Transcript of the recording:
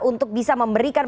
untuk bisa memberikan